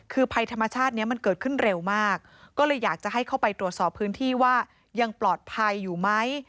คือภัยธรรมชาตินี้มันเกิดขึ้นเร็วมากก็เลยอยากจะให้เข้าไปตรวจสอบพื้นที่ว่ายังปลอดภัยอยู่ไหม